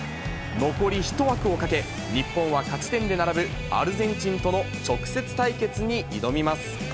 残り１枠をかけ、日本は勝ち点で並ぶアルゼンチンとの直接対決に挑みます。